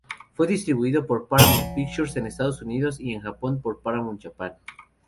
Fue distribuido por Paramount Pictures en Estados Unidos y en Japón por Paramount Japan.